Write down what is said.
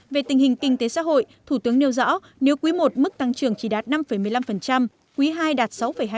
về tình hình kinh tế xã hội thủ tướng nêu rõ nếu quý một mức tăng trưởng chỉ đạt năm một mươi năm quý hai đạt sáu hai mươi tám